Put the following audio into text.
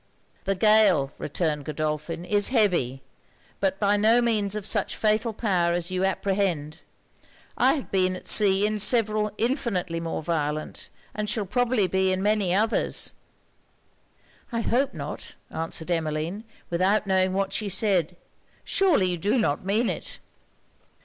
'The gale,' returned Godolphin, 'is heavy, but by no means of such fatal power as you apprehend. I have been at sea in several infinitely more violent, and shall probably be in many others.' 'I hope not,' answered Emmeline, without knowing what she said 'Surely you do not mean it?'